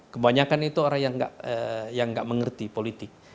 kebanyakan itu orang yang nggak mengerti politik